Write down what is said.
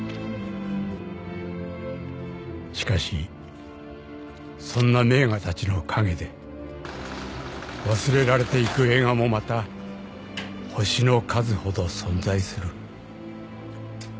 ［しかしそんな名画たちの陰で忘れられていく映画もまた星の数ほど存在する］